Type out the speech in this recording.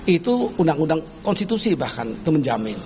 itu undang undang konstitusi bahkan itu menjamin